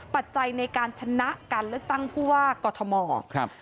ปัจจัยในการชนะการเลือกตั้งผู้ว่ากอทมครับ